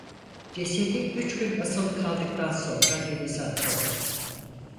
Cesedi üç gün asılı kaldıktan sonra denize atıldı.